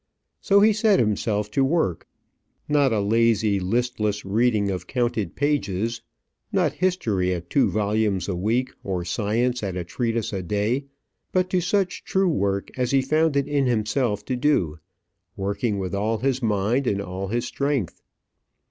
So he set himself to work not a lazy, listless reading of counted pages; not history at two volumes a week, or science at a treatise a day; but to such true work as he found it in him to do, working with all his mind and all his strength.